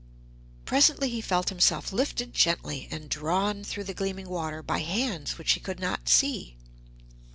Presently he felt himself lifted gently, and drawn through the gleaming water by hands which he could not see.